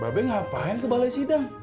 babe ngapain ke balai sidang